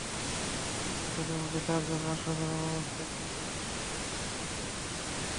আহতদের মধ্যে চারজনকে আশঙ্কাজনক অবস্থায় খুলনা মেডিকেল কলেজ হাসপাতালে ভর্তি করা হয়েছে।